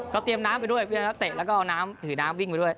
ก็เตรียมน้ำไปด้วยพี่น้ำลักเตะแล้วก็ถือน้ำวิ่งไปด้วย